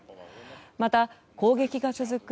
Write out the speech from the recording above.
また、攻撃が続く